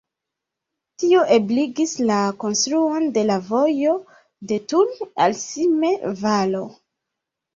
Tio ebligis la konstruon de la vojo de Thun al Simme-Valo.